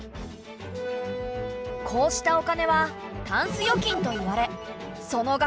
こうしたお金はタンス預金といわれその額